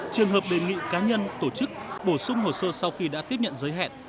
trường hợp đề nghị cá nhân tổ chức bổ sung hồ sơ sau khi đã tiếp nhận giới hạn